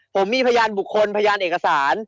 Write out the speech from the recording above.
ผมมีพยานบุคคลพยานเอกสาร